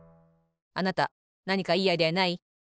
あなたなにかいいアイデアない？